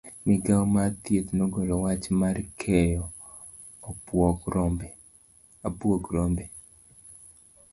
Migao mar thieth nogolo wach mar keyo abuog rombe.